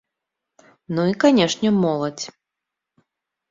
Ну і, канешне, моладзь.